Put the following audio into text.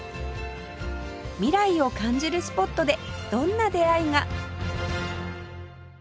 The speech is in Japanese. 未来を感じるスポットでどんな出会いが？